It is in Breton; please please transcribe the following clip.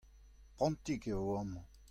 Prontik e vo amañ.